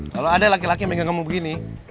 kalau ada laki laki yang megang kamu begini